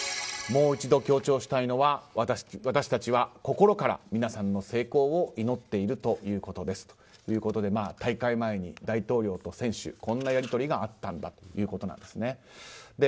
もう一度強調したいのは私たちは心から皆さんの成功を祈っているということですということで大会前に大統領と選手こんなやり取りがあったんだということなんです。